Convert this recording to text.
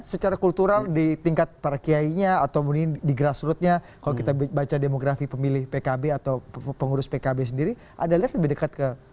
secara kultural di tingkat para kiainya atau mungkin di grassrootnya kalau kita baca demografi pemilih pkb atau pengurus pkb sendiri anda lihat lebih dekat ke